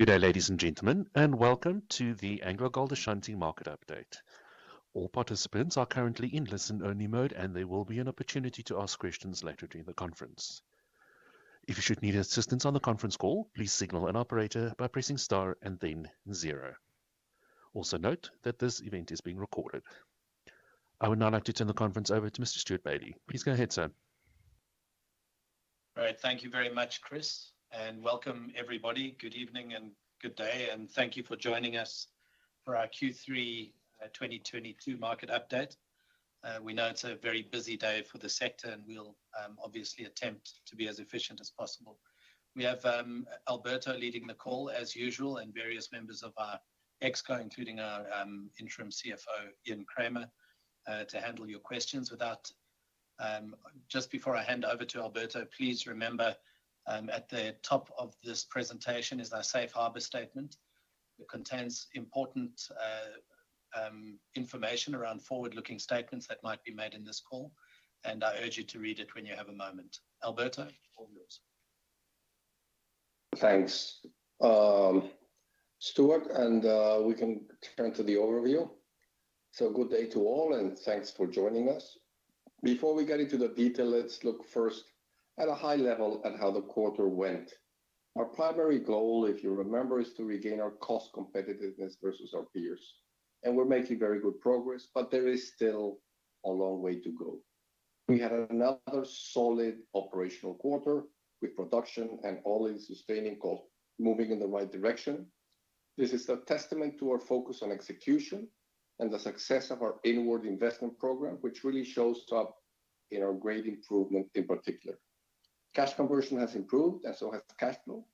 Good day, ladies and gentlemen, and welcome to the AngloGold Ashanti market update. All participants are currently in listen-only mode, and there will be an opportunity to ask questions later during the conference. If you should need assistance on the conference call, please signal an operator by pressing star and then zero. Also, note that this event is being recorded. I would now like to turn the conference over to Mr. Stewart Bailey. Please go ahead, sir. All right. Thank you very much, Chris, and welcome everybody. Good evening and good day, and thank you for joining us for our Q3 2022 market update. We know it's a very busy day for the sector, and we'll obviously attempt to be as efficient as possible. We have Alberto leading the call as usual, and various members of our ExCo, including our interim CFO, Ian Kramer, to handle your questions. With that, just before I hand over to Alberto, please remember at the top of this presentation is our safe harbor statement. It contains important information around forward-looking statements that might be made in this call, and I urge you to read it when you have a moment. Alberto, all yours. Thanks, Stewart, and we can turn to the overview. Good day to all, and thanks for joining us. Before we get into the detail, let's look first at a high level at how the quarter went. Our primary goal, if you remember, is to regain our cost competitiveness versus our peers. We're making very good progress, but there is still a long way to go. We had another solid operational quarter with production and all-in sustaining cost moving in the right direction. This is a testament to our focus on execution and the success of our inward investment program, which really shows up in our grade improvement in particular. Cash conversion has improved, and so has cash flow.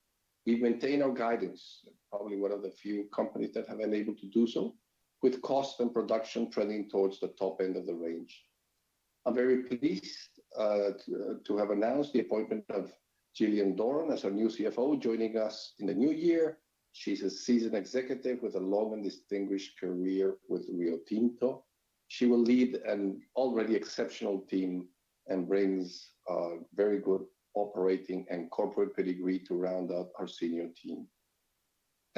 We've maintained our guidance, probably one of the few companies that have been able to do so, with cost and production trending towards the top end of the range. I'm very pleased to have announced the appointment of Gillian Doran as our new CFO, joining us in the new year. She's a seasoned executive with a long and distinguished career with Rio Tinto. She will lead an already exceptional team and brings a very good operating and corporate pedigree to round out our senior team.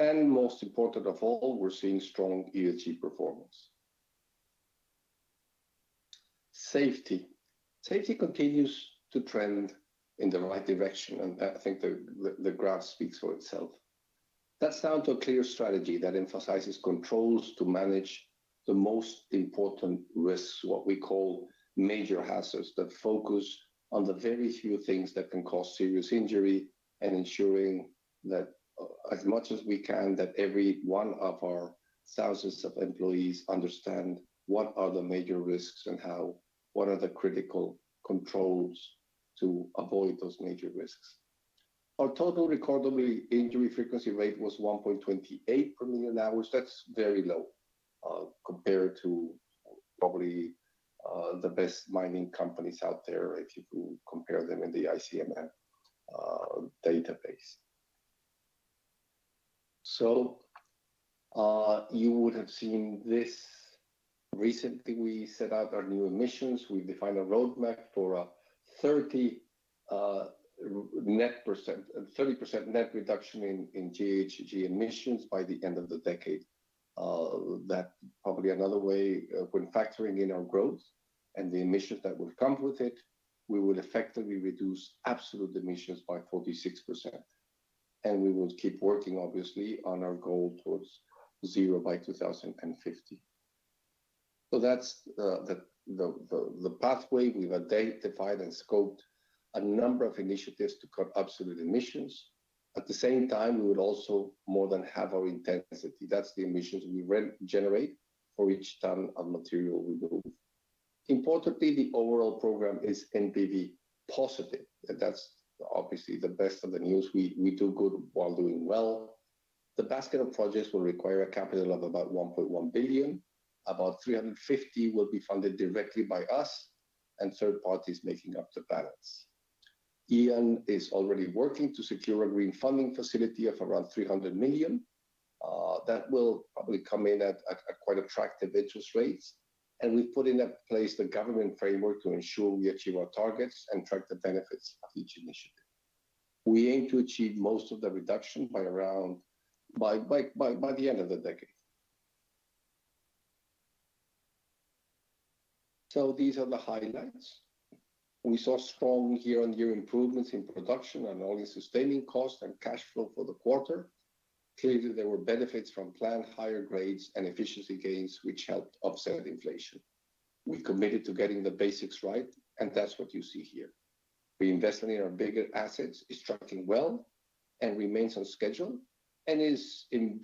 Most important of all, we're seeing strong ESG performance. Safety continues to trend in the right direction, and I think the graph speaks for itself. That's down to a clear strategy that emphasizes controls to manage the most important risks, what we call major hazards, that focus on the very few things that can cause serious injury, and ensuring that, as much as we can, that every one of our thousands of employees understand what are the major risks and what are the critical controls to avoid those major risks. Our total recordable injury frequency rate was 1.28 per million hours. That's very low, compared to probably, the best mining companies out there if you compare them in the ICMM database. You would have seen this. Recently, we set out our new emissions. We've defined a roadmap for a 30% net reduction in GHG emissions by the end of the decade. That probably another way, when factoring in our growth and the emissions that will come with it, we will effectively reduce absolute emissions by 46%, and we will keep working obviously on our goal towards zero by 2050. That's the pathway. We've identified and scoped a number of initiatives to cut absolute emissions. At the same time, we would also more than halve our intensity. That's the emissions we regenerate for each ton of material we move. Importantly, the overall program is NPV positive. That's obviously the best of the news. We do good while doing well. The basket of projects will require a capital of about $1.1 billion. About $350 million will be funded directly by us and third parties making up the balance. Ian is already working to secure a green funding facility of around $300 million. That will probably come in at quite attractive interest rates. We've put in place the government framework to ensure we achieve our targets and track the benefits of each initiative. We aim to achieve most of the reduction by the end of the decade. These are the highlights. We saw strong year-on-year improvements in production and all-in sustaining cost and cash flow for the quarter. Clearly, there were benefits from planned higher grades and efficiency gains, which helped offset inflation. We're committed to getting the basics right, and that's what you see here. Reinvestment in our bigger assets is tracking well and remains on schedule, and is in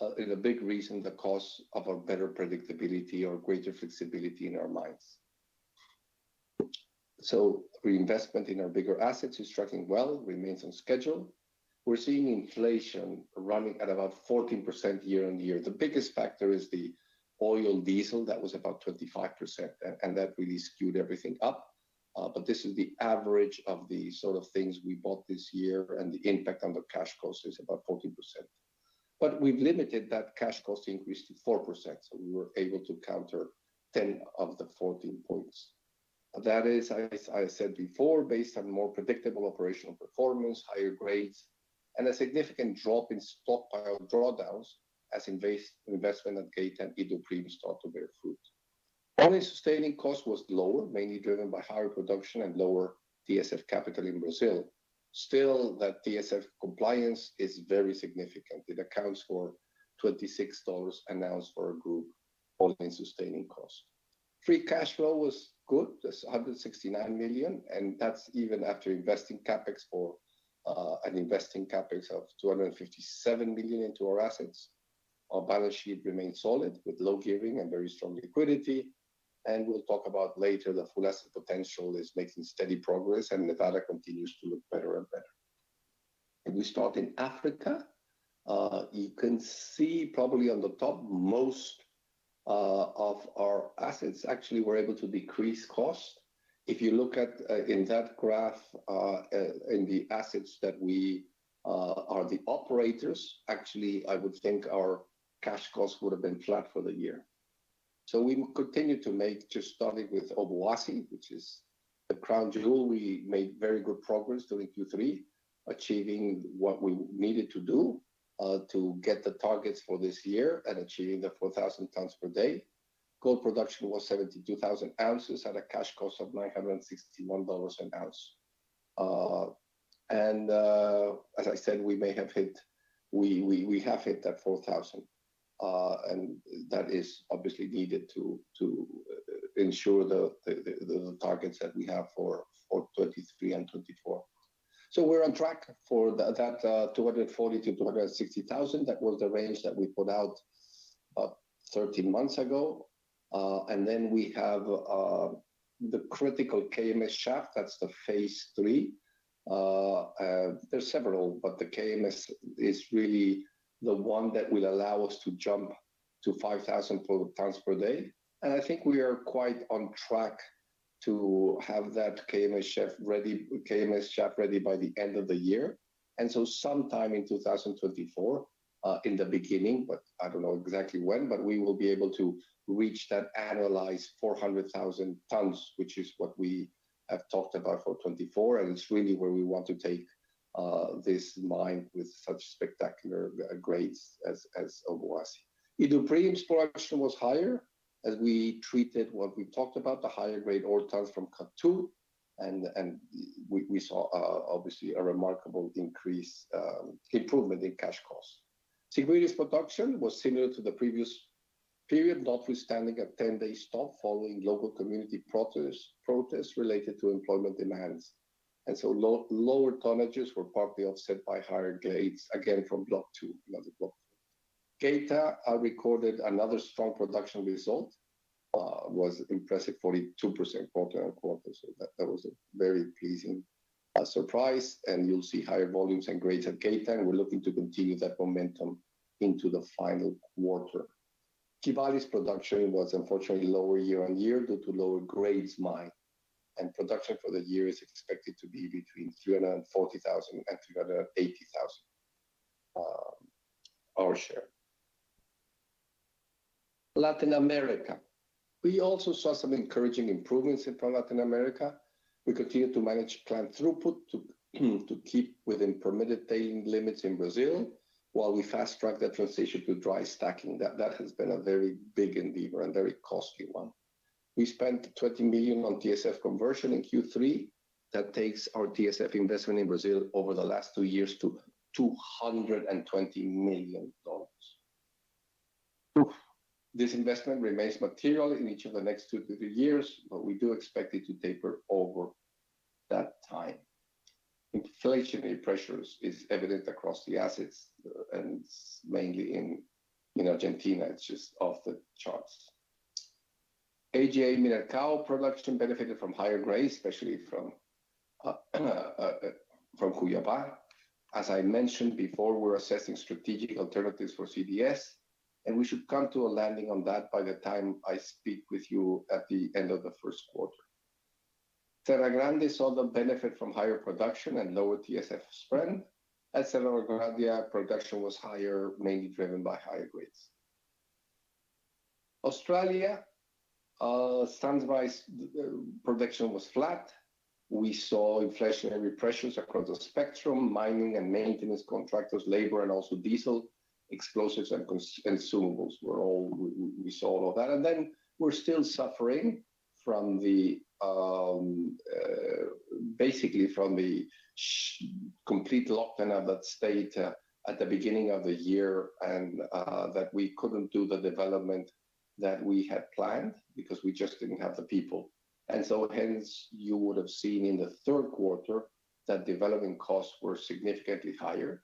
a big reason the cause of a better predictability or greater flexibility in our mines. Reinvestment in our bigger assets is tracking well, remains on schedule. We're seeing inflation running at about 14% quarter-over-quarter. The biggest factor is the oil and diesel. That was about 25%, and that really skewed everything up. But this is the average of the sort of things we bought this year, and the impact on the cash cost is about 14%. But we've limited that cash cost increase to 4%, so we were able to counter 10 of the 14 points. That is, as I said before, based on more predictable operational performance, higher grades, and a significant drop in stockpile drawdowns as investment at Geita and Iduapriem start to bear fruit. All-in sustaining cost was lower, mainly driven by higher production and lower TSF capital in Brazil. Still, that TSF compliance is very significant. It accounts for $26 an ounce for our group all-in sustaining costs. Free cash flow was good, that's $169 million, and that's even after investing CapEx for an investing CapEx of $257 million into our assets. Our balance sheet remains solid with low gearing and very strong liquidity. We'll talk about later, the full asset potential is making steady progress, and Nevada continues to look better and better. If we start in Africa, you can see probably on the top, most of our assets actually were able to decrease cost. If you look at in that graph in the assets that we are the operators, actually, I would think our cash costs would have been flat for the year. We will continue to make... Just starting with Obuasi, which is the crown jewel, we made very good progress during Q3, achieving what we needed to do to get the targets for this year and achieving the 4,000 tons per day. Gold production was 72,000 ounces at a cash cost of $961 an ounce. As I said, we have hit that 4,000, and that is obviously needed to ensure the targets that we have for 2023 and 2024. We're on track for that 240,000-260,000. That was the range that we put out about 13 months ago. Then we have the critical KMS shaft, that's phase three. There's several, but the KMS shaft is really the one that will allow us to jump to 5,000 tons per day. I think we are quite on track to have that KMS shaft ready by the end of the year. Sometime in 2024, in the beginning, but I don't know exactly when, but we will be able to reach that annualized 400,000 tons, which is what we have talked about for 2024, and it's really where we want to take this mine with such spectacular grades as Obuasi. Iduapriem's production was higher as we treated what we talked about, the higher-grade ore tons from Cut 2, and we saw obviously a remarkable increase, improvement in cash costs. Siguiri's production was similar to the previous period, notwithstanding a 10-day stop following local community protest related to employment demands. Lower tonnages were partly offset by higher grades, again, from Block Two, another block. Geita recorded another strong production result, was impressive 42% quarter-on-quarter, so that was a very pleasing surprise. You'll see higher volumes and grades at Geita, and we're looking to continue that momentum into the final quarter. Kibali's production was unfortunately lower year-on-year due to lower-grade mining, and production for the year is expected to be between 340,000 and 380,000, our share. Latin America. We also saw some encouraging improvements from Latin America. We continued to manage plant throughput to keep within permitted tailings limits in Brazil while we fast-tracked the transition to dry stacking. That has been a very big endeavor and very costly one. We spent $20 million on TSF conversion in Q3. That takes our TSF investment in Brazil over the last two years to $220 million oof. This investment remains material in each of the next two to three years, but we do expect it to taper over that time. Inflationary pressures is evident across the assets, and it's mainly in Argentina. It's just off the charts. AGA Mineração production benefited from higher grades, especially from Cuiabá. As I mentioned before, we're assessing strategic alternatives for CDS, and we should come to a landing on that by the time I speak with you at the end of the Q1. Serra Grande saw the benefit from higher production and lower TSF spread. At Cerro Corona, the production was higher, mainly driven by higher grades. Australia, Sunrise, production was flat. We saw inflationary pressures across the spectrum, mining and maintenance contractors, labor and also diesel, explosives and consumables were all. We saw all of that. We're still suffering from the complete lockdown of that state at the beginning of the year and that we couldn't do the development that we had planned because we just didn't have the people. Hence, you would have seen in the Q3 that development costs were significantly higher.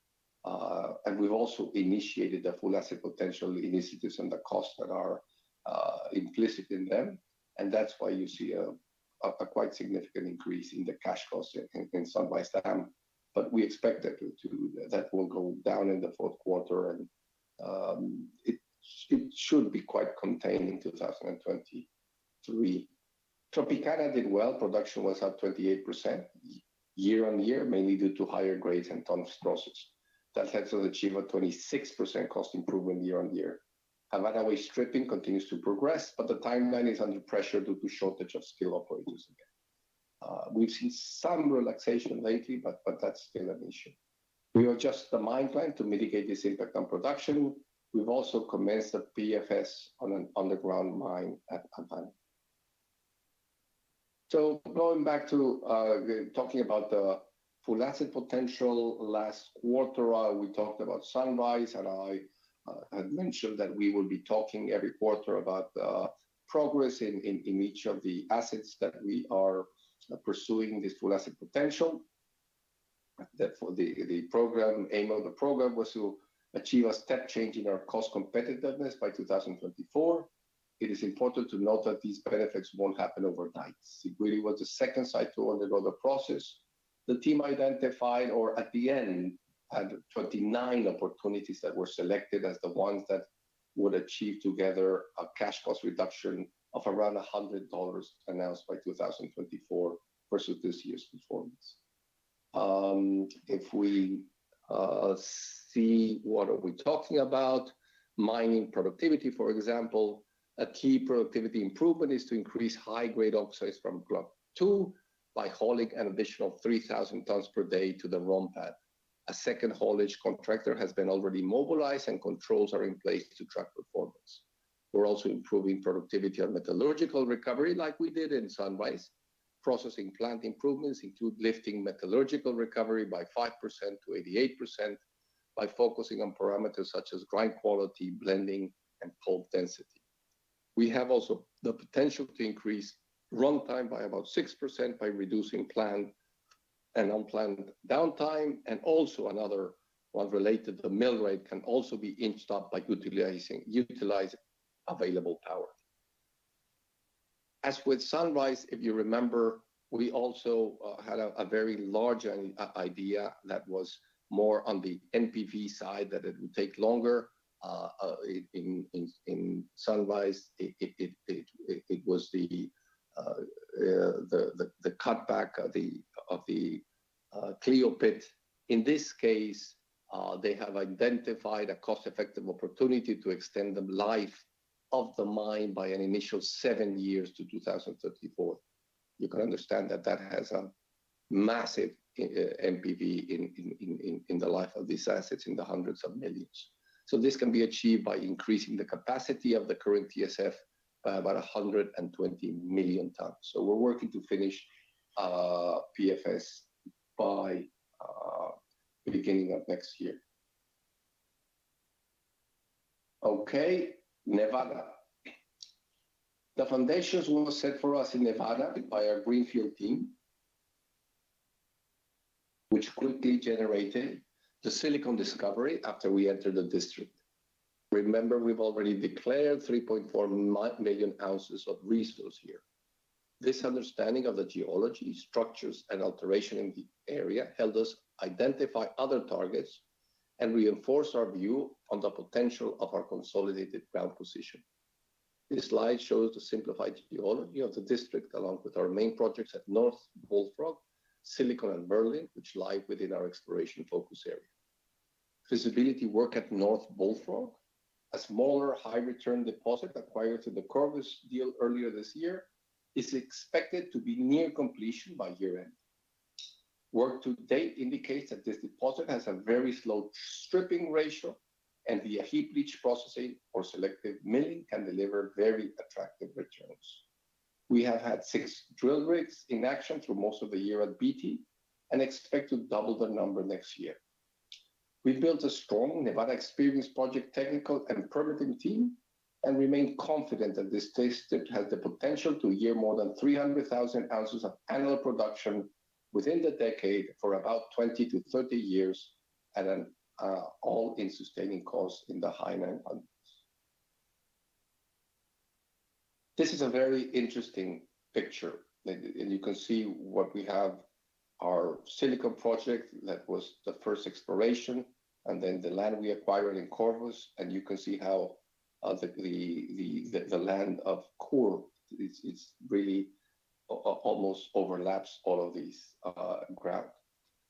We've also initiated the full potential initiatives and the costs that are implicit in them. That's why you see a quite significant increase in the cash costs in Sunrise Dam. We expect that will go down in the Q4 and it should be quite contained in 2023. Tropicana did well. Production was up 28% year-on-year, mainly due to higher grades and tons processed. That helped us achieve a 26% cost improvement year-on-year. Nevada waste stripping continues to progress, but the timeline is under pressure due to shortage of skilled operators again. We've seen some relaxation lately, but that's still an issue. We adjust the mine plan to mitigate this impact on production. We've also commenced a PFS on an underground mine at Havana. Going back to talking about the full asset potential. Last quarter, we talked about Sunrise, and I had mentioned that we will be talking every quarter about the progress in each of the assets that we are pursuing this full asset potential. The aim of the program was to achieve a step change in our cost competitiveness by 2024. It is important to note that these benefits won't happen overnight. Siguiri was the second site to undergo the process. The team identified, or at the end, had 29 opportunities that were selected as the ones that would achieve together a cash cost reduction of around $100 announced by 2024 versus this year's performance. If we see what are we talking about, mining productivity, for example. A key productivity improvement is to increase high-grade oxides from block two by hauling an additional 3,000 tons per day to the ROM pad. A second haulage contractor has been already mobilized, and controls are in place to track performance. We're also improving productivity and metallurgical recovery, like we did in Sunrise. Processing plant improvements include lifting metallurgical recovery by 5% to 88% by focusing on parameters such as grind quality, blending, and pulp density. We have also the potential to increase runtime by about 6% by reducing planned and unplanned downtime. Also another one related to mill rate can also be inched up by utilizing available power. As with Sunrise, if you remember, we also had a very large idea that was more on the NPV side, that it would take longer. In Sunrise, it was the cutback of the Cleo pit. In this case, they have identified a cost-effective opportunity to extend the life of the mine by an initial seven years to 2034. You can understand that that has a massive NPV in the life of these assets, in the hundreds of millions. This can be achieved by increasing the capacity of the current TSF by about 120 million tons. We're working to finish PFS by the beginning of next year. Okay, Nevada. The foundations were set for us in Nevada by our greenfield team, which quickly generated the Silicon discovery after we entered the district. Remember, we've already declared 3.4 million ounces of resource here. This understanding of the geology, structures, and alteration in the area helped us identify other targets and reinforce our view on the potential of our consolidated ground position. This slide shows the simplified geology of the district, along with our main projects at North Bullfrog, Silicon and Merlin, which lie within our exploration focus area. Feasibility work at North Bullfrog, a smaller high-return deposit acquired through the Corvus deal earlier this year, is expected to be near completion by year-end. Work to date indicates that this deposit has a very slow stripping ratio, and the heap leach processing or selective milling can deliver very attractive returns. We have had six drill rigs in action through most of the year at Beatty and expect to double the number next year. We built a strong Nevada experienced project technical and permitting team and remain confident that this district has the potential to yield more than 300,000 ounces of annual production within the decade for about 20-30 years at an all-in sustaining cost in the high $900s. This is a very interesting picture. You can see what we have, our Silicon project that was the first exploration, and then the land we acquired in Corvus. You can see how the land of Corvus is really almost overlaps all of these ground.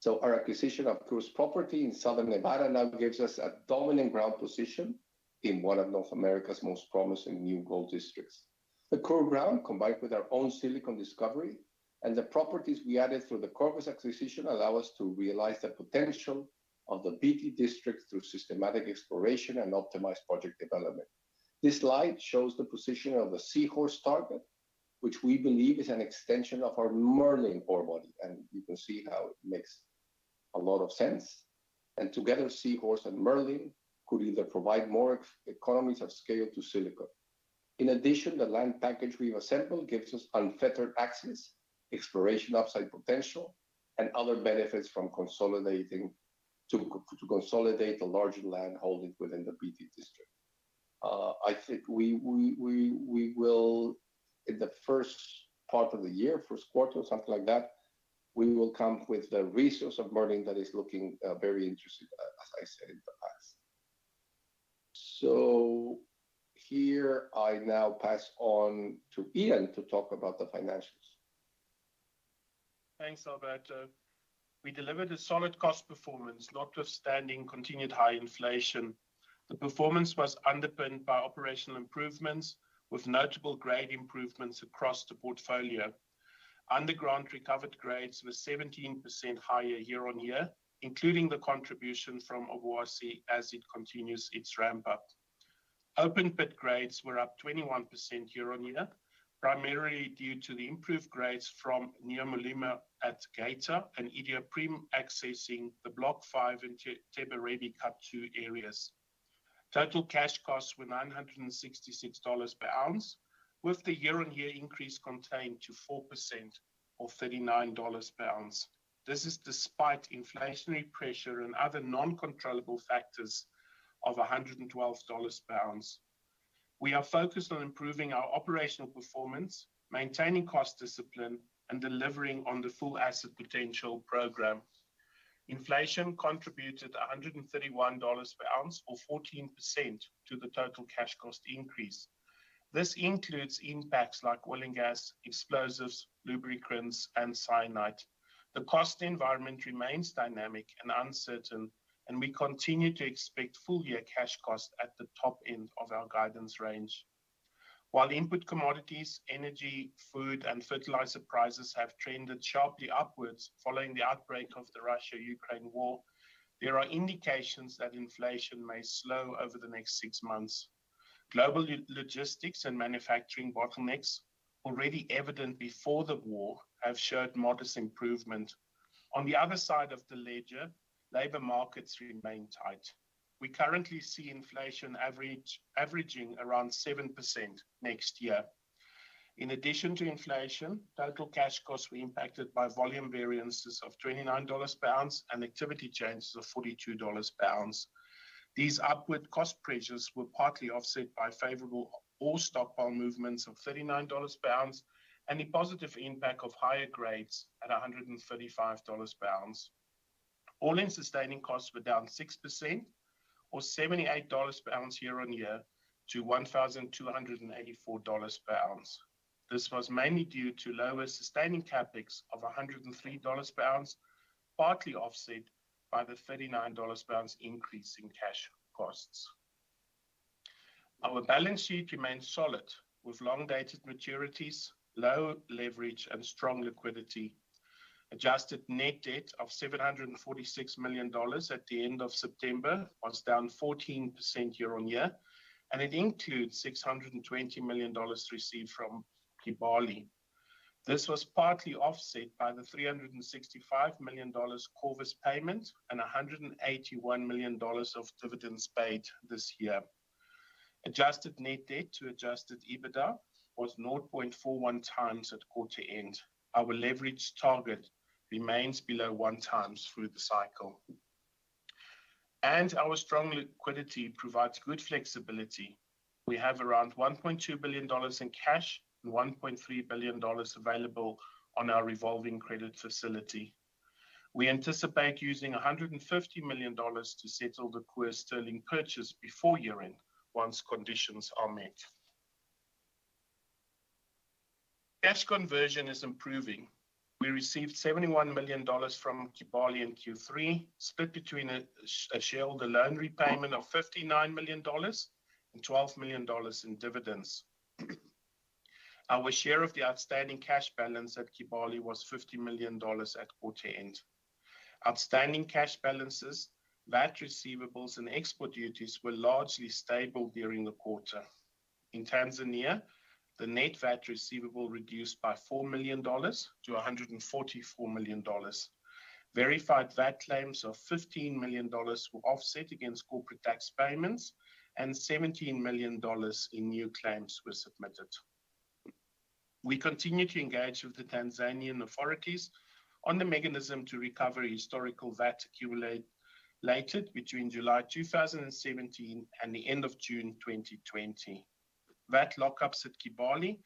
Our acquisition of Corvus property in Southern Nevada now gives us a dominant ground position in one of North America's most promising new gold districts. The Corvus ground, combined with our own Silicon discovery and the properties we added through the Corvus acquisition, allow us to realize the potential of the Beatty district through systematic exploration and optimized project development. This slide shows the position of the Seahorse target, which we believe is an extension of our Merlin ore body, and you can see how it makes a lot of sense. Together, Seahorse and Merlin could either provide more economies of scale to Silicon. In addition, the land package we've assembled gives us unfettered access, exploration upside potential, and other benefits from consolidating to consolidate a larger land holding within the Beatty district. I think we will in the first part of the year, Q1 or something like that, we will come with the resource of Merlin that is looking very interesting, as I said in the past. Here I now pass on to Ian to talk about the financials. Thanks, Alberto. We delivered a solid cost performance notwithstanding continued high inflation. The performance was underpinned by operational improvements with notable grade improvements across the portfolio. Underground recovered grades were 17% higher year-on-year, including the contribution from Obuasi as it continues its ramp-up. Open pit grades were up 21% year-on-year, primarily due to the improved grades from Nyamulilima at Geita and Iduapriem accessing the Block Five and Teberebie Cut two areas. Total cash costs were $966 per ounce, with the year-on-year increase contained to 4% or $39 per ounce. This is despite inflationary pressure and other non-controllable factors of $112 per ounce. We are focused on improving our operational performance, maintaining cost discipline, and delivering on the Full Potential Programme. Inflation contributed $131 per ounce or 14% to the total cash costs increase. This includes impacts like oil and gas, explosives, lubricants, and cyanide. The cost environment remains dynamic and uncertain, and we continue to expect full-year cash costs at the top end of our guidance range. While input commodities, energy, food, and fertilizer prices have trended sharply upwards following the outbreak of the Russia-Ukraine war, there are indications that inflation may slow over the next six months. Global logistics and manufacturing bottlenecks already evident before the war have showed modest improvement. On the other side of the ledger, labor markets remain tight. We currently see inflation averaging around 7% next year. In addition to inflation, total cash costs were impacted by volume variances of $29 per ounce and activity changes of $42 per ounce. These upward cost pressures were partly offset by favorable ore stockpile movements of $39 per ounce and the positive impact of higher grades at $135 per ounce. All-in sustaining costs were down 6% or $78 per ounce year-on-year to $1,284 per ounce. This was mainly due to lower sustaining CapEx of $103 per ounce, partly offset by the $39 per ounce increase in cash costs. Our balance sheet remains solid with long-dated maturities, low leverage, and strong liquidity. Adjusted net debt of $746 million at the end of September was down 14% year-on-year, and it includes $620 million received from Kibali. This was partly offset by the $365 million Corvus payment and $181 million of dividends paid this year. Adjusted net debt to adjusted EBITDA was 0.41x at quarter end. Our leverage target remains below 1x through the cycle. Our strong liquidity provides good flexibility. We have around $1.2 billion in cash and $1.3 billion available on our revolving credit facility. We anticipate using $150 million to settle the Questor purchase before year-end, once conditions are met. Cash conversion is improving. We received $71 million from Kibali in Q3, split between a shareholder loan repayment of $59 million and $12 million in dividends. Our share of the outstanding cash balance at Kibali was $50 million at quarter end. Outstanding cash balances, VAT receivables, and export duties were largely stable during the quarter. In Tanzania, the net VAT receivable reduced by $4 million to $144 million. Verified VAT claims of $15 million were offset against corporate tax payments, and $17 million in new claims were submitted. We continue to engage with the Tanzanian authorities on the mechanism to recover historical VAT accumulated between July 2017 and the end of June 2020. VAT lockups at Kibali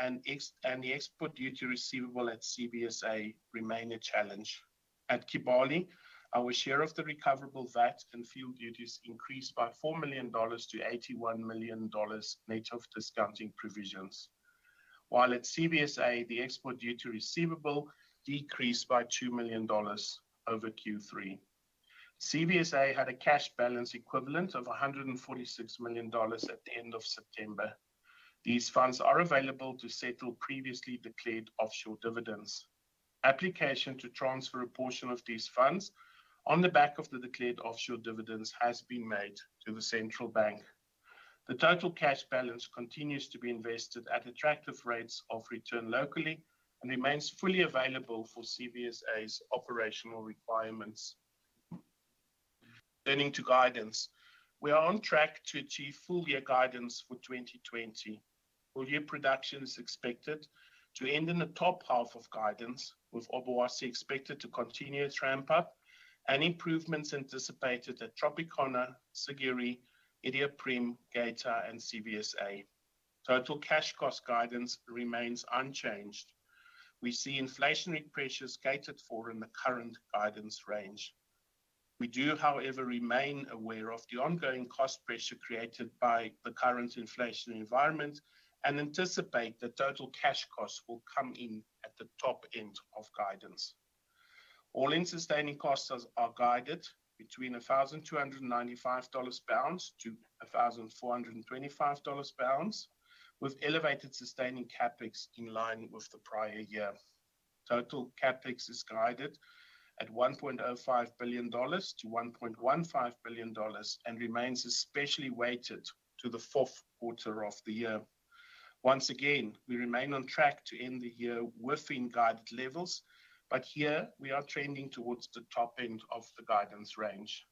and the export duty receivable at CVSA remain a challenge. At Kibali, our share of the recoverable VAT and fuel duties increased by $4 million to $81 million net of discounting provisions. While at CVSA, the export duty receivable decreased by $2 million over Q3. CVSA had a cash balance equivalent of $146 million at the end of September. These funds are available to settle previously declared offshore dividends. Application to transfer a portion of these funds on the back of the declared offshore dividends has been made to the central bank. The total cash balance continues to be invested at attractive rates of return locally and remains fully available for CVSA's operational requirements. Turning to guidance. We are on track to achieve full year guidance for 2020. Full year production is expected to end in the top half of guidance, with Obuasi expected to continue to ramp up and improvements anticipated at Tropicana, Siguiri, Iduapriem, Geita, and CVSA. Total cash costs guidance remains unchanged. We see inflationary pressures catered for in the current guidance range. We do, however, remain aware of the ongoing cost pressure created by the current inflationary environment and anticipate that total cash costs will come in at the top end of guidance. All-in sustaining costs are guided between $1,295-$1,425 per ounce, with elevated sustaining CapEx in line with the prior year. Total CapEx is guided at $1.05 billion-$1.15 billion and remains especially weighted to the Q4 of the year. Once again, we remain on track to end the year within guided levels, but here we are trending towards the top end of the guidance range.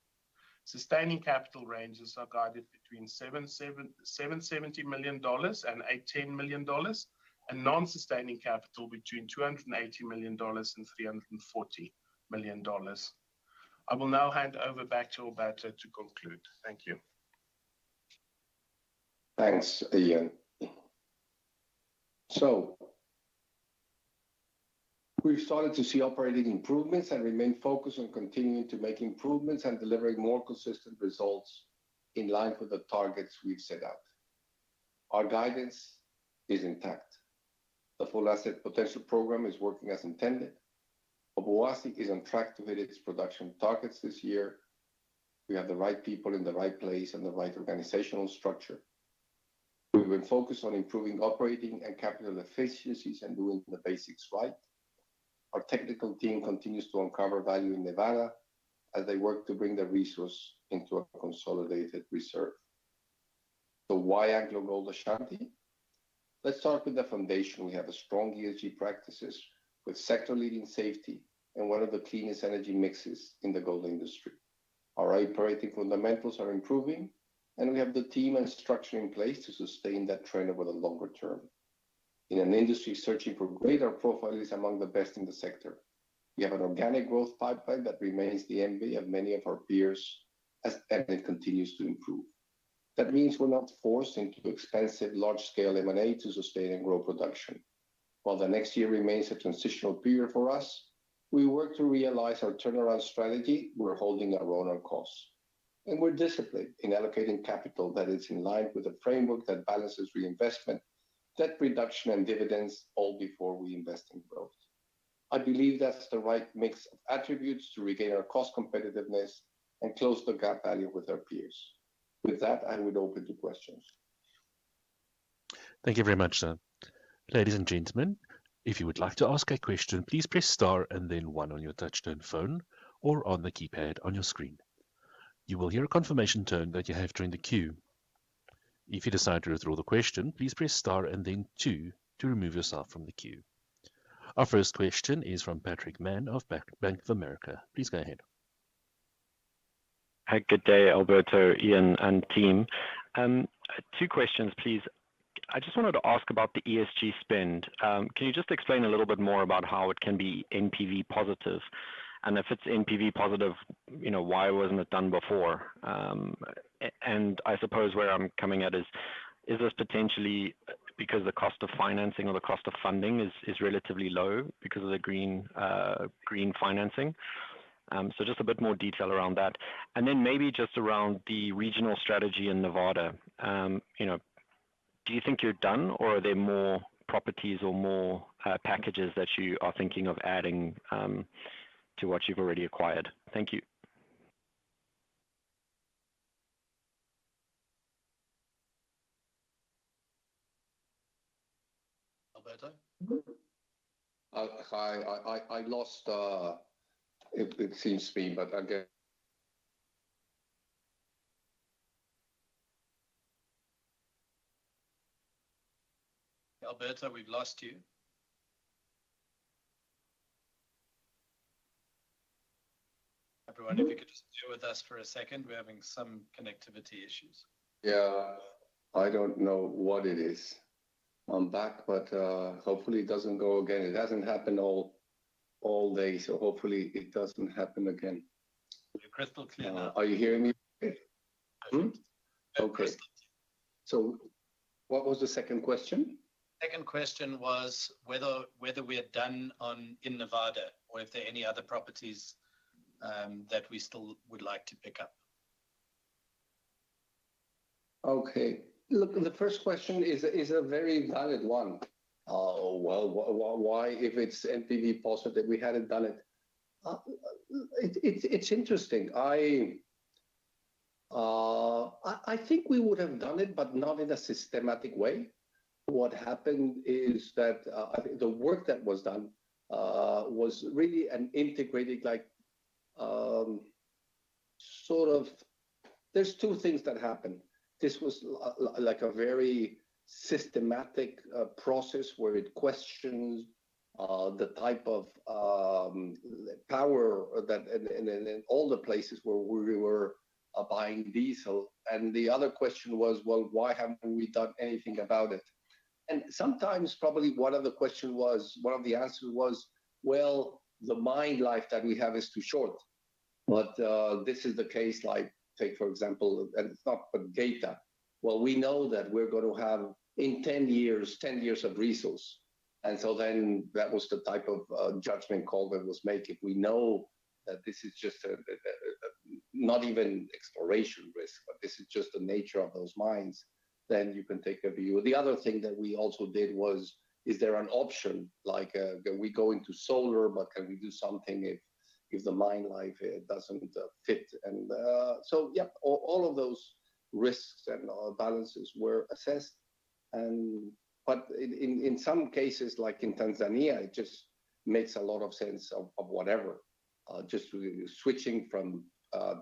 Sustaining capital ranges are guided between $77 million and $180 million, and non-sustaining capital between $280 million and $340 million. I will now hand over back to Alberto to conclude. Thank you. Thanks, Ian. We've started to see operating improvements and remain focused on continuing to make improvements and delivering more consistent results in line with the targets we've set out. Our guidance is intact. The Full Potential program is working as intended. Obuasi is on track to meet its production targets this year. We have the right people in the right place and the right organizational structure. We've been focused on improving operating and capital efficiencies and doing the basics right. Our technical team continues to uncover value in Nevada as they work to bring the resource into a consolidated reserve. Why AngloGold Ashanti? Let's start with the foundation. We have strong ESG practices with sector-leading safety and one of the cleanest energy mixes in the gold industry. Our operating fundamentals are improving, and we have the team and structure in place to sustain that trend over the longer term. In an industry searching for grade, our profile is among the best in the sector. We have an organic growth pipeline that remains the envy of many of our peers as F&F continues to improve. That means we're not forced into expensive large-scale M&A to sustain and grow production. While the next year remains a transitional period for us, we work to realize our turnaround strategy, we're holding our own on costs. We're disciplined in allocating capital that is in line with a framework that balances reinvestment, debt reduction, and dividends all before we invest in growth. I believe that's the right mix of attributes to regain our cost competitiveness and close the gap value with our peers. With that, I would open to questions. Thank you very much, sir. Ladies and gentlemen, if you would like to ask a question, please press star and then one on your touch-tone phone or on the keypad on your screen. You will hear a confirmation tone that you have joined the queue. If you decide to withdraw the question, please press star and then two to remove yourself from the queue. Our first question is from Patrick Mann of Bank of America. Please go ahead. Hi. Good day, Alberto, Ian, and team. Two questions, please. I just wanted to ask about the ESG spend. Can you just explain a little bit more about how it can be NPV positive? And if it's NPV positive, you know, why wasn't it done before? And I suppose where I'm coming at is, this potentially because the cost of financing or the cost of funding is relatively low because of the green financing? So just a bit more detail around that. And then maybe just around the regional strategy in Nevada. You know, do you think you're done or are there more properties or more packages that you are thinking of adding to what you've already acquired? Thank you. Alberto? Hi. I lost it. It seems to be, but again. Alberto, we've lost you. Everyone, if you could just bear with us for a second. We're having some connectivity issues. Yeah. I don't know what it is. I'm back, but hopefully it doesn't go again. It hasn't happened all day, so hopefully it doesn't happen again. You're crystal clear now. Are you hearing me okay? Yes. Okay. Crystal. What was the second question? Second question was whether we are done in Nevada or if there are any other properties that we still would like to pick up. Okay. Look, the first question is a very valid one. Why, if it's NPV positive, we hadn't done it. It's interesting. I think we would have done it, but not in a systematic way. What happened is that I think the work that was done was really an integrated. There's two things that happened. This was like a very systematic process where it questioned the type of power in all the places where we were buying diesel. And the other question was, well, why haven't we done anything about it? And sometimes, probably one of the answers was, well, the mine life that we have is too short. This is the case like take for example, and it's not for data. Well, we know that we're gonna have in 10 years of resource. That was the type of judgment call that was made. If we know that this is just a not even exploration risk, but this is just the nature of those mines, then you can take a view. The other thing that we also did was, is there an option? Like, can we go into solar? Can we do something if the mine life doesn't fit? Yeah, all of those risks and balances were assessed. In some cases, like in Tanzania, it just makes a lot of sense of whatever just switching from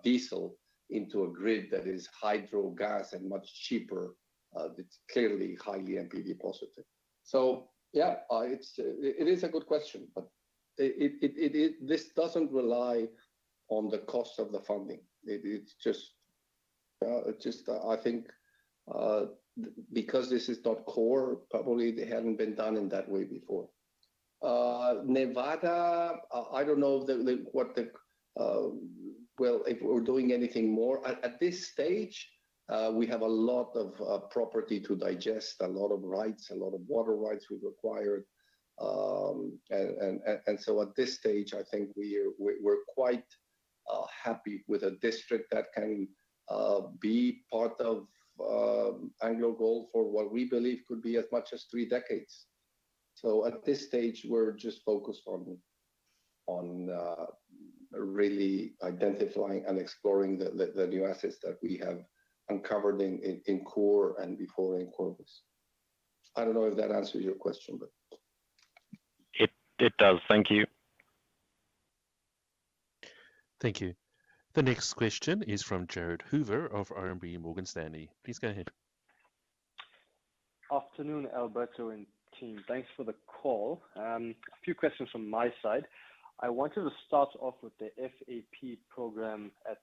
diesel into a grid that is hydro gas and much cheaper, it's clearly highly NPV positive. Yeah, it is a good question, but this doesn't rely on the cost of the funding. It's just, I think, because this is not core, probably it hadn't been done in that way before. Nevada, I don't know what the. Well, if we're doing anything more. At this stage, we have a lot of property to digest, a lot of rights, a lot of water rights we've acquired, and so at this stage, I think we're quite happy with a district that can be part of AngloGold for what we believe could be as much as three decades. At this stage, we're just focused on really identifying and exploring the new assets that we have uncovered in core and before in Corvus. I don't know if that answers your question, but. It does. Thank you. Thank you. The next question is from Jared Hoover of RMB Morgan Stanley. Please go ahead. Afternoon, Alberto and team. Thanks for the call. A few questions from my side. I wanted to start off with the FAP program at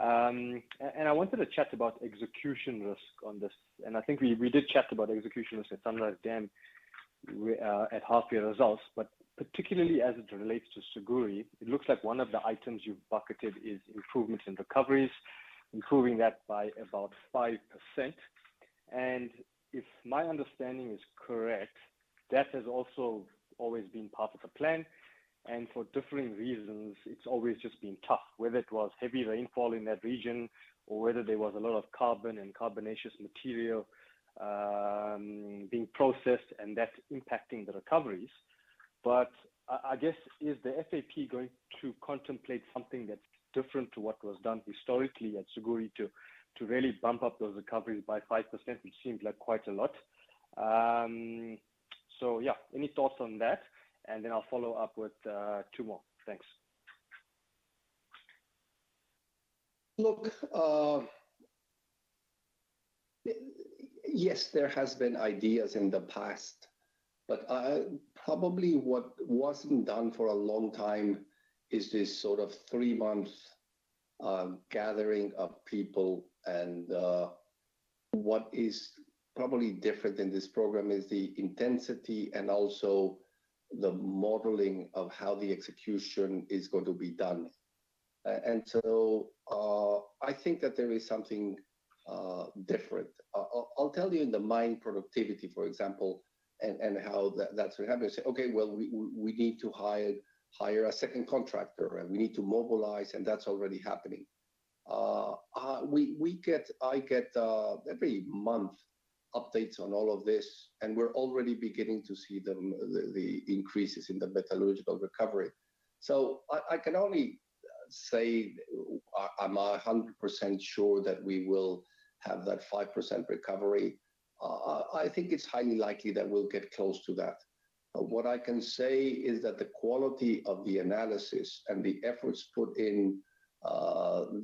Siguiri. I wanted to chat about execution risk on this, and I think we did chat about execution risk at Sunrise Dam at half year results. But particularly as it relates to Siguiri, it looks like one of the items you've bucketed is improvements in recoveries, improving that by about 5%. If my understanding is correct, that has also always been part of the plan, and for differing reasons, it's always just been tough, whether it was heavy rainfall in that region or whether there was a lot of carbon and carbonaceous material being processed and that impacting the recoveries. I guess is the FAP going to contemplate something that's different to what was done historically at Siguiri to really bump up those recoveries by 5%, which seems like quite a lot? Yeah. Any thoughts on that? I'll follow up with two more. Thanks. Look, yes, there has been ideas in the past, but probably what wasn't done for a long time is this sort of three-month gathering of people and what is probably different in this program is the intensity and also the modeling of how the execution is going to be done. I think that there is something different. I'll tell you in the mine productivity, for example, and how that's happening. Say, "Okay, well, we need to hire a second contractor and we need to mobilize," and that's already happening. I get every month updates on all of this, and we're already beginning to see the increases in the metallurgical recovery. I can only say, am I 100% sure that we will have that 5% recovery? I think it's highly likely that we'll get close to that. What I can say is that the quality of the analysis and the efforts put in,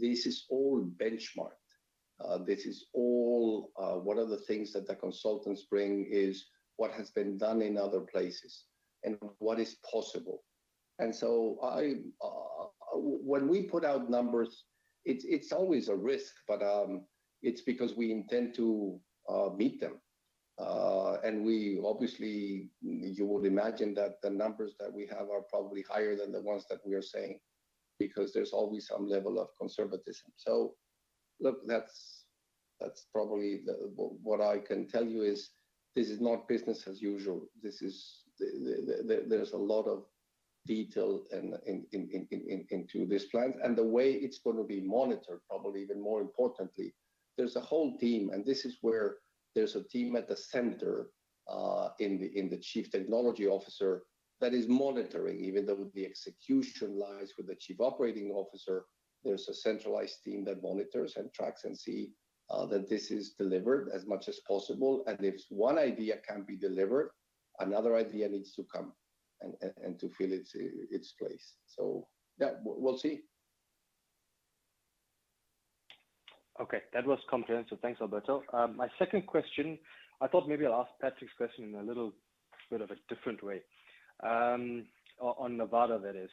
this is all benchmarked. This is all, one of the things that the consultants bring is what has been done in other places and what is possible. I, when we put out numbers, it's always a risk, but it's because we intend to meet them. We obviously, you would imagine that the numbers that we have are probably higher than the ones that we are saying because there's always some level of conservatism. Look, that's probably the What I can tell you is this is not business as usual. This is. There's a lot of detail into this plan. The way it's gonna be monitored, probably even more importantly, there's a whole team, and this is where there's a team at the center, in the chief technology officer that is monitoring. Even though the execution lies with the chief operating officer, there's a centralized team that monitors and tracks and see that this is delivered as much as possible. If one idea can't be delivered, another idea needs to come and to fill its place. Yeah, we'll see. Okay. That was comprehensive. Thanks, Alberto. My second question, I thought maybe I'll ask Patrick's question in a little bit of a different way, on Nevada, that is.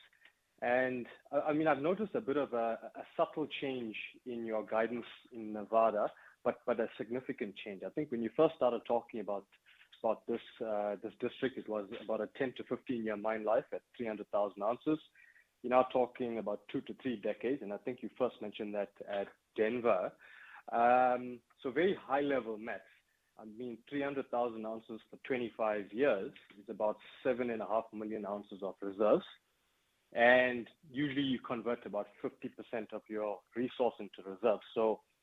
I mean, I've noticed a bit of a subtle change in your guidance in Nevada, but a significant change. I think when you first started talking about this district, it was about a 10-15-year mine life at 300,000 ounces. You're now talking about 2-3 decades, and I think you first mentioned that at Denver. Very high-level math. I mean, 300,000 ounces for 25 years is about 7.5 million ounces of reserves. Usually you convert about 50% of your resource into reserves.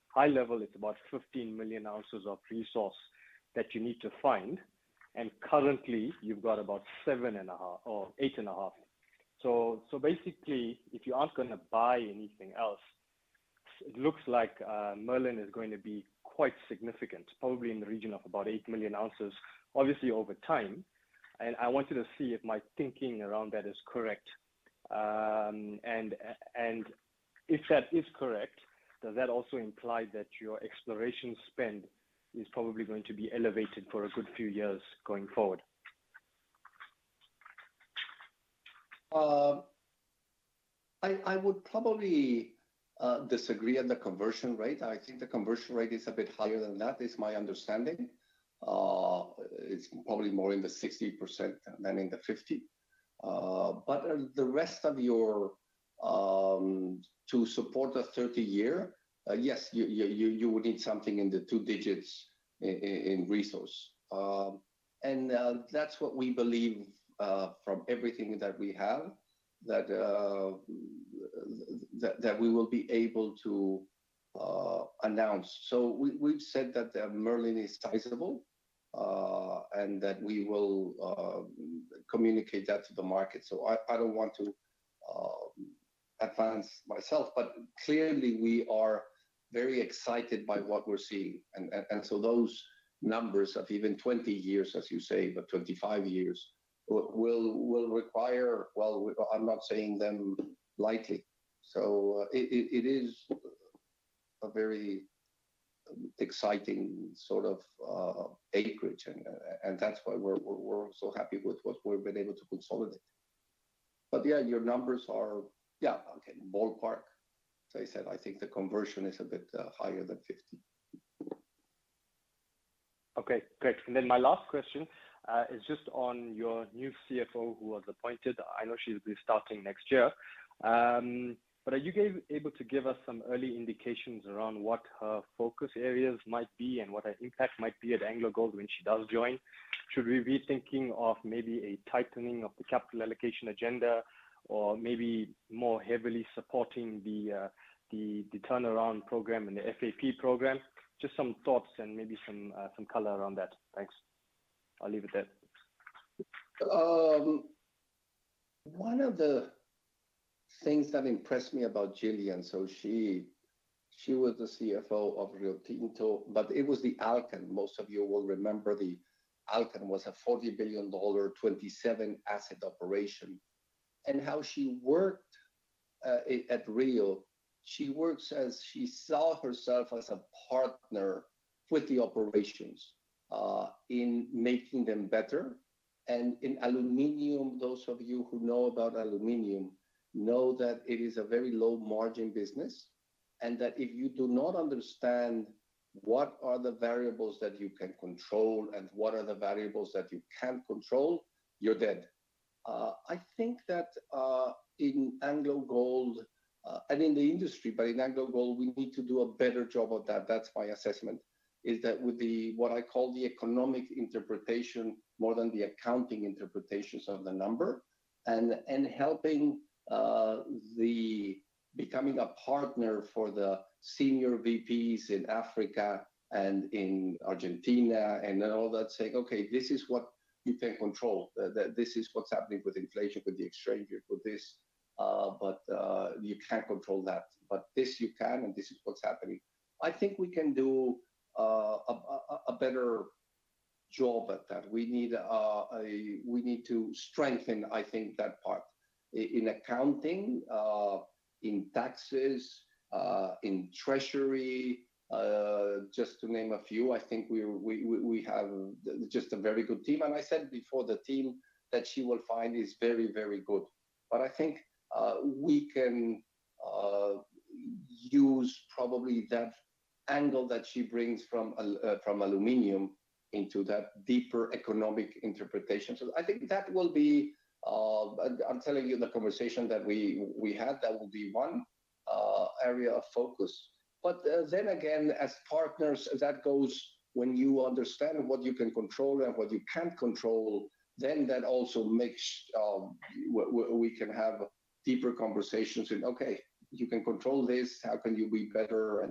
High level, it's about 15 million ounces of resource that you need to find. Currently you've got about 7.5 or 8.5. So basically, if you aren't gonna buy anything else, it looks like Merlin is going to be quite significant, probably in the region of about 8 million ounces, obviously over time. I wanted to see if my thinking around that is correct. If that is correct, does that also imply that your exploration spend is probably going to be elevated for a good few years going forward? I would probably disagree on the conversion rate. I think the conversion rate is a bit higher than that, is my understanding. It's probably more in the 60% than in the 50%. The rest of your to support a 30-year, yes, you would need something in the two digits in resource. That's what we believe from everything that we have, that that we will be able to announce. We've said that Merlin is sizable and that we will communicate that to the market. I don't want to advance myself, but clearly we are very excited by what we're seeing. Those numbers of even 20 years, as you say, but 25 years will require. Well, I'm not saying them lightly. It is a very exciting sort of acreage and that's why we're so happy with what we've been able to consolidate. Yeah, your numbers are, yeah, okay, ballpark. As I said, I think the conversion is a bit higher than 50. Okay, great. My last question is just on your new CFO who was appointed. I know she'll be starting next year. Are you able to give us some early indications around what her focus areas might be and what her impact might be at AngloGold Ashanti when she does join? Should we be thinking of maybe a tightening of the capital allocation agenda or maybe more heavily supporting the turnaround program and the FAP program? Just some thoughts and maybe some color around that. Thanks. I'll leave it there. One of the things that impressed me about Gillian, so she was the CFO of Rio Tinto, but it was the Alcan. Most of you will remember the Alcan was a $40 billion, 27-asset operation. How she worked at Rio, she works as she saw herself as a partner with the operations in making them better. In aluminum, those of you who know about aluminum know that it is a very low-margin business, and that if you do not understand what are the variables that you can control and what are the variables that you can't control, you're dead. I think that in AngloGold Ashanti, and in the industry, but in AngloGold Ashanti, we need to do a better job of that. That's my assessment, that with what I call the economic interpretation more than the accounting interpretations of the number. Helping becoming a partner for the senior VPs in Africa and in Argentina and all that, saying, "Okay, this is what you can control. This is what's happening with inflation, with the exchange rate, with this, but you can't control that. But this you can, and this is what's happening." I think we can do a better job at that. We need to strengthen, I think, that part in accounting, in taxes, in treasury, just to name a few. I think we have just a very good team. I said before, the team that she will find is very, very good. I think we can use probably that angle that she brings from aluminum into that deeper economic interpretation. I think that will be. I'm telling you in the conversation that we had, that will be one area of focus. Then again, as partners, that goes when you understand what you can control and what you can't control, then that also makes we can have deeper conversations with, "Okay, you can control this. How can you be better?"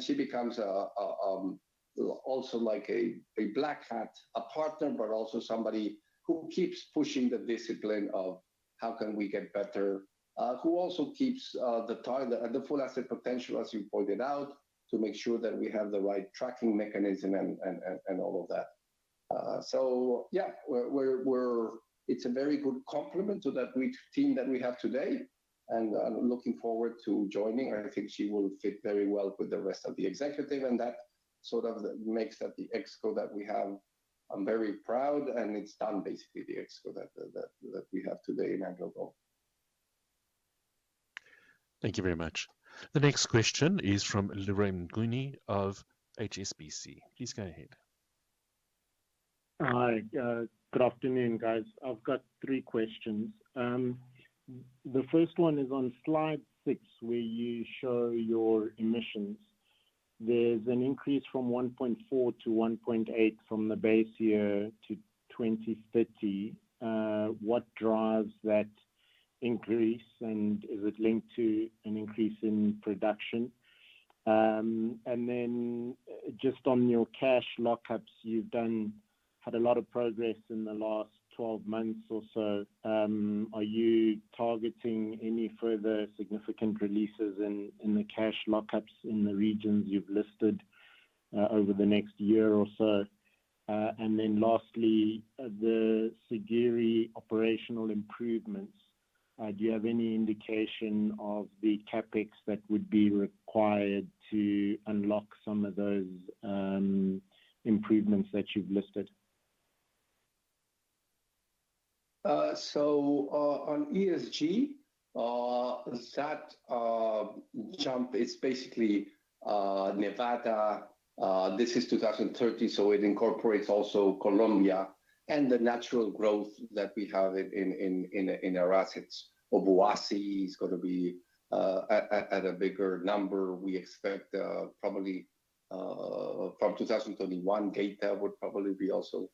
She becomes a also like a black hat, a partner, but also somebody who keeps pushing the discipline of how can we get better. who also keeps the full asset potential, as you pointed out, to make sure that we have the right tracking mechanism and all of that. Yeah, it's a very good complement to that great team that we have today, and I'm looking forward to joining. I think she will fit very well with the rest of the executive, and that sort of makes up the ExCo that we have. I'm very proud, and it's done basically the ExCo that we have today in AngloGold Ashanti. Thank you very much. The next question is from Lorraine Gunning of HSBC. Please go ahead. Hi. Good afternoon, guys. I've got three questions. The first one is on slide six, where you show your emissions. There's an increase from 1.4 to 1.8 from the base year to 2030. What drives that increase, and is it linked to an increase in production? Just on your cash lockups, you've had a lot of progress in the last 12 months or so. Are you targeting any further significant releases in the cash lockups in the regions you've listed over the next year or so? Lastly, the Siguiri operational improvements. Do you have any indication of the CapEx that would be required to unlock some of those improvements that you've listed? On ESG, that jump is basically Nevada. This is 2030, so it incorporates also Colombia and the natural growth that we have in our assets. Obuasi is gonna be at a bigger number. We expect probably from 2021, Geita would probably be also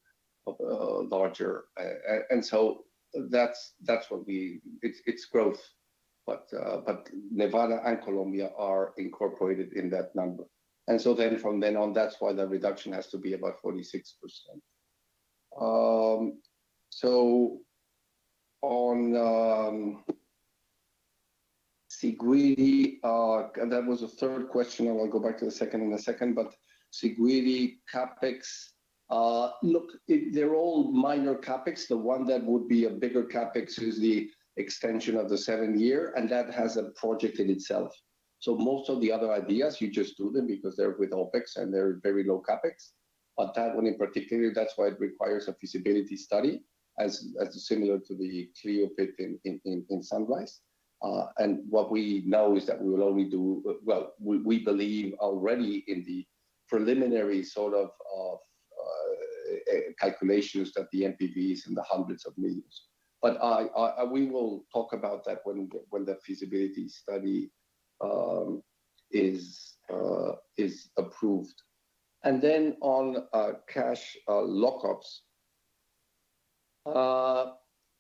larger. That's what we. It's growth. Nevada and Colombia are incorporated in that number. From then on, that's why the reduction has to be about 46%. On Siguiri, and that was the third question, and I'll go back to the second in a second. Siguiri CapEx, look, they're all minor CapEx. The one that would be a bigger CapEx is the extension of the seventh year, and that has a project in itself. Most of the other ideas, you just do them because they're with OpEx and they're very low CapEx. That one in particular, that's why it requires a feasibility study as similar to the Cleo pit in Sunrise. What we know is that we will only do. Well, we believe already in the preliminary sort of calculations that the NPV is in the $ hundreds of millions. We will talk about that when the feasibility study is approved. Then on cash lockups.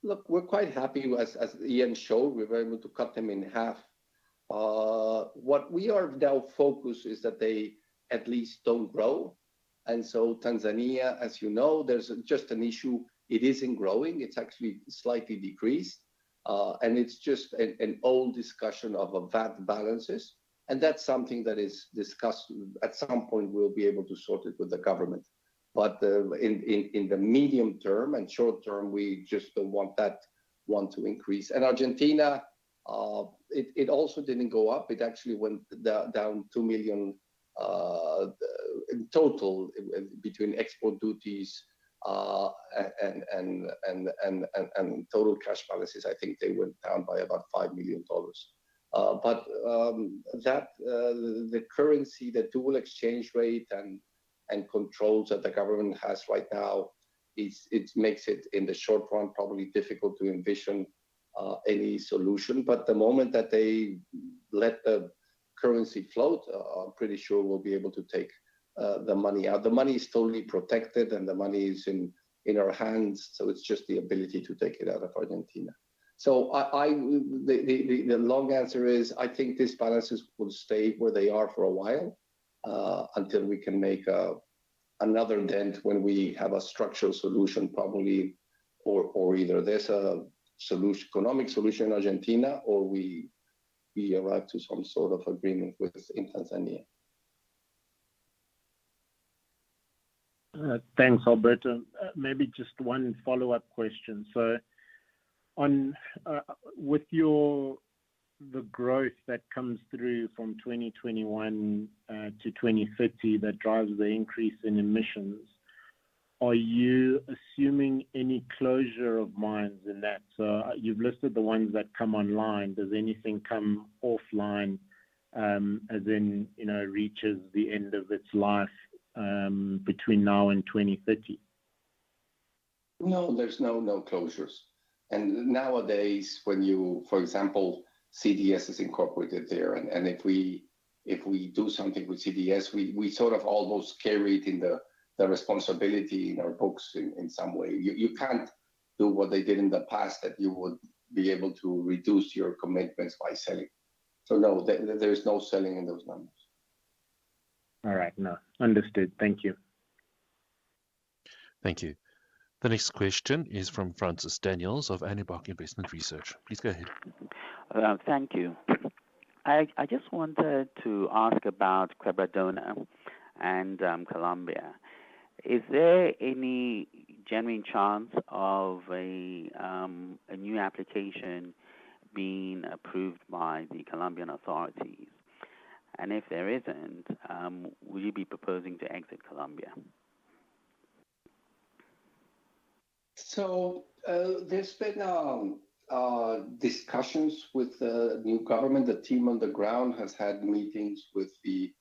Look, we're quite happy. As Ian showed, we were able to cut them in half. What we are now focused is that they at least don't grow. Tanzania, as you know, there's just an issue. It isn't growing. It's actually slightly decreased. It's just an old discussion of VAT balances, and that's something that is discussed. At some point, we'll be able to sort it with the government. In the medium term and short term, we just don't want that one to increase. Argentina, it also didn't go up. It actually went down $2 million in total between export duties and total cash balances. I think they went down by about $5 million. The currency, the dual exchange rate and controls that the government has right now is. It makes it, in the short run, probably difficult to envision any solution. The moment that they let the currency float, I'm pretty sure we'll be able to take the money out. The money is totally protected, and the money is in our hands, so it's just the ability to take it out of Argentina. The long answer is I think these balances will stay where they are for a while, until we can make another dent when we have a structural solution probably or either there's economic solution in Argentina or we arrive to some sort of agreement with this in Tanzania. Thanks, Alberto. Maybe just one follow-up question. On with the growth that comes through from 2021 to 2050 that drives the increase in emissions, are you assuming any closure of mines in that? You've listed the ones that come online. Does anything come offline, as in, you know, reaches the end of its life, between now and 2050? No, there's no closures. Nowadays when you, for example, CDS is incorporated there, and if we do something with CDS, we sort of almost carry it in the responsibility in our books in some way. You can't do what they did in the past, that you would be able to reduce your commitments by selling. No, there is no selling in those numbers. All right. No. Understood. Thank you. Thank you. The next question is from Francis Daniels of Nedbank Investment Research. Please go ahead. Thank you. I just wanted to ask about Quebradona and Colombia. Is there any genuine chance of a new application being approved by the Colombian authorities? If there isn't, will you be proposing to exit Colombia? There's been discussions with the new government. The team on the ground has had meetings with the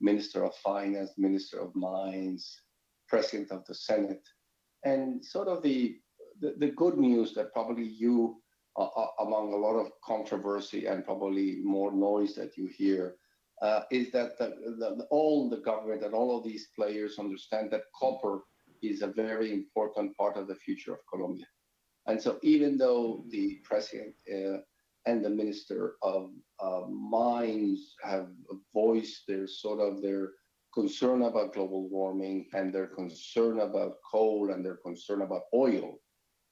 Minister of Finance, Minister of Mines, President of the Senate. Sort of the good news that probably you, among a lot of controversy and probably more noise that you hear, is that all the government and all of these players understand that copper is a very important part of the future of Colombia. Even though the president and the Minister of Mines have voiced their sort of concern about global warming and their concern about coal and their concern about oil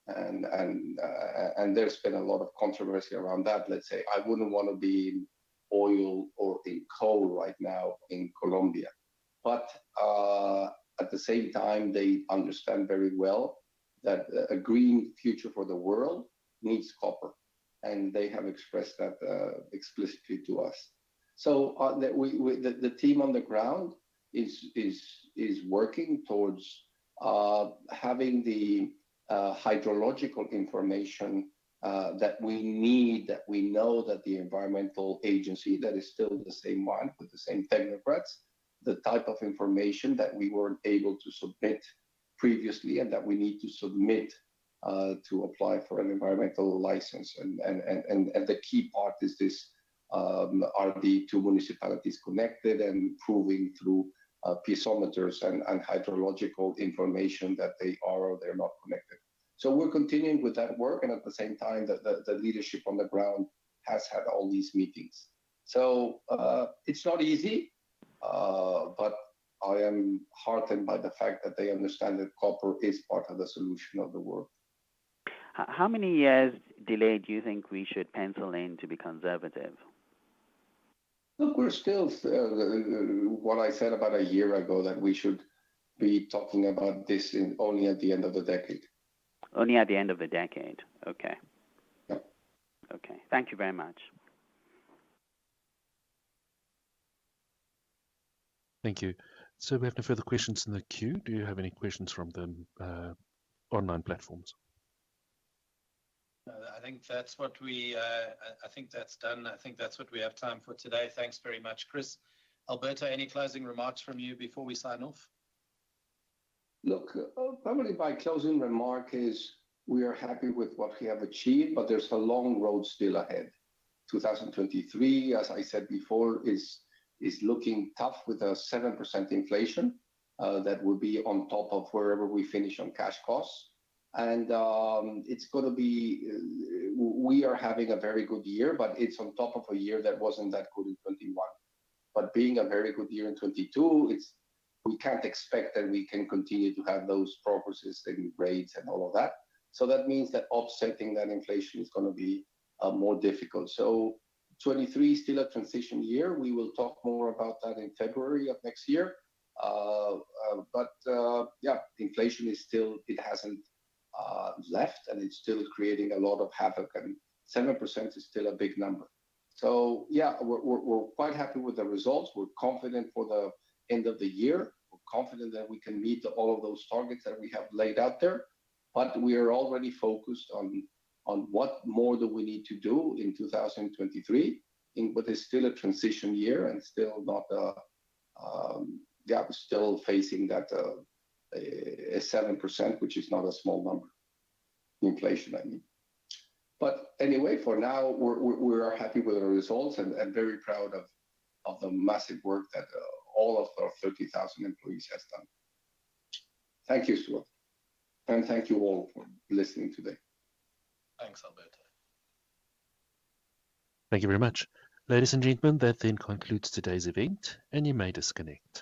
and there's been a lot of controversy around that, let's say, I wouldn't wanna be in oil or in coal right now in Colombia. At the same time, they understand very well that a green future for the world needs copper, and they have expressed that explicitly to us. The team on the ground is working towards having the hydrological information that we need, that we know that the environmental agency that is still the same one with the same technocrats, the type of information that we weren't able to submit previously and that we need to submit to apply for an environmental license. The key part is this, are the two municipalities connected and proving through piezometers and hydrological information that they are or they're not connected. We're continuing with that work, and at the same time the leadership on the ground has had all these meetings. It's not easy, but I am heartened by the fact that they understand that copper is part of the solution of the world. How many years delay do you think we should pencil in to be conservative? Look, we're still what I said about a year ago that we should be talking about this only at the end of the decade. Only at the end of the decade. Okay. Yeah. Okay. Thank you very much. Thank you. We have no further questions in the queue. Do you have any questions from the online platforms? No, I think that's done. I think that's what we have time for today. Thanks very much, Chris. Alberto, any closing remarks from you before we sign off? Look, probably my closing remark is we are happy with what we have achieved, but there's a long road still ahead. 2023, as I said before, is looking tough with a 7% inflation that will be on top of wherever we finish on cash costs. We are having a very good year, but it's on top of a year that wasn't that good in 2021. Being a very good year in 2022, we can't expect that we can continue to have those progresses and rates and all of that. That means that offsetting that inflation is gonna be more difficult. 2023 is still a transition year. We will talk more about that in February of next year. Inflation is still. It hasn't left, and it's still creating a lot of havoc. I mean, 7% is still a big number. Yeah, we're quite happy with the results. We're confident for the end of the year. We're confident that we can meet all of those targets that we have laid out there, but we are already focused on what more do we need to do in 2023 in what is still a transition year. Yeah, we're still facing that 7%, which is not a small number. Inflation, I mean. Anyway, for now we're happy with the results and very proud of the massive work that all of our 30,000 employees has done. Thank you, Stewart. Thank you all for listening today. Thanks, Alberto. Thank you very much. Ladies and gentlemen, that then concludes today's event, and you may disconnect.